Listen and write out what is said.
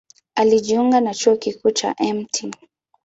Alijiunga na Chuo Kikuu cha Mt.